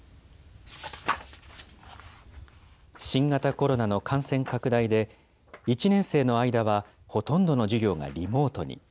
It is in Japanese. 新型コロナの感染拡大で、１年生の間は、ほとんどの授業がリモートに。